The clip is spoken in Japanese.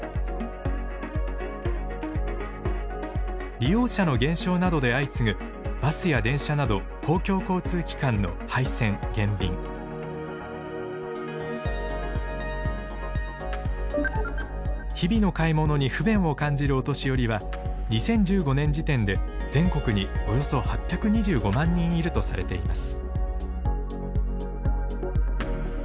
利用者の減少などで相次ぐバスや電車など日々の買い物に不便を感じるお年寄りは２０１５年時点で全国におよそ８２５万人いるとされています。